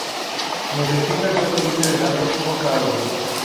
Necesita suelo bien drenado, poca agua.